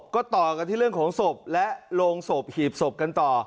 ก็ต่อกันที่เรื่องของศพและโรงศพหีบศพกันต่อ